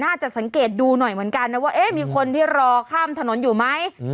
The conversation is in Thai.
น่าจะสังเกตดูหน่อยเหมือนกันนะว่ามีคนที่รอข้ามถนนอยู่ไหม